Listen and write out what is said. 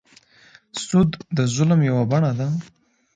سود د ظلم یوه بڼه ده.